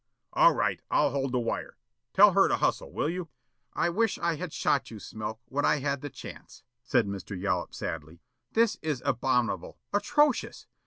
... All right, I'll hold the wire. Tell her to hustle, will you?" "I wish I had shot you, Smilk, when I had the chance," said Mr. Yollop sadly. "This is abominable, atrocious.